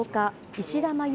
石田真弓